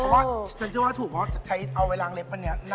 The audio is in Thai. เพราะว่าฉันเชื่อว่าถูกเพราะใช้เอาไว้ล้างเล็บอันนี้